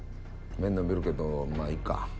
麺のびるけどまあいいか。